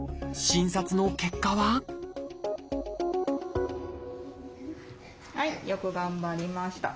診察の結果ははいよく頑張りました。